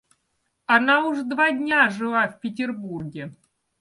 Она уж два дня жила в Петербурге.